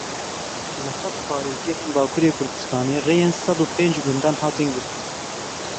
Li heft parêzgehên Bakurê Kurdistanê rêyên sed û pênc gundan hatin girtin.